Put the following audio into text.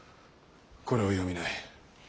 これを読みない。